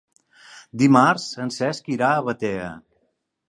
Dimarts en Cesc irà a Batea.